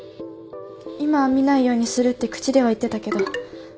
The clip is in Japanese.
今は見ないようにするって口では言ってたけど。